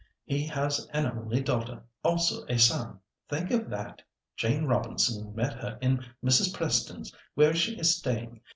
He has an only daughter, also a son. Think of that! Jane Robinson met her at Mrs. Preston's, where she is staying.